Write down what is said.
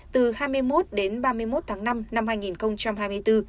từ hai mươi một đến ba mươi một tháng năm năm hai nghìn hai mươi bốn